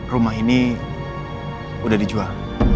rumah ini udah dijual